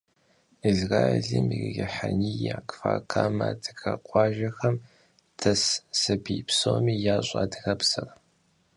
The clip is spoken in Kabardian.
Израилым и Рихьэния, Кфар-Камэ адыгэ къуажэхэм дэс сабий псоми ящӀэ адыгэбзэр.